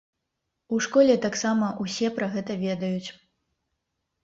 У школе таксама ўсе пра гэта ведаюць.